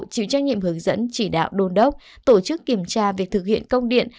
chịu trách nhiệm hướng dẫn chỉ đạo đông đúc tổ chức kiểm tra việc thực hiện công điện